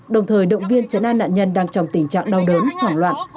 đồng thời động viên chấn an nạn nhân đang trong tình trạng đau đớn hoảng loạn